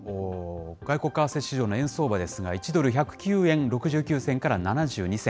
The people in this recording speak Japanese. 外国為替市場の円相場ですが、１ドル１０９円６９銭から７２銭。